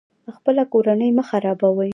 خپله کورنۍ مه خرابوئ